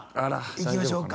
いきましょうか。